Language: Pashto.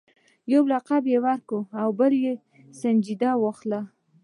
یو لقب ورکړي او بل یې سنجیده واخلي.